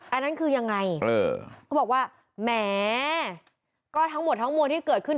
อันนั้นคือยังไงเขาบอกว่าแหมก็ทั้งหมดทั้งมวลที่เกิดขึ้น